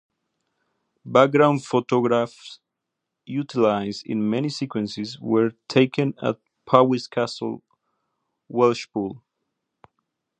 Background photographs utilised in many sequences were taken at Powis Castle, Welshpool.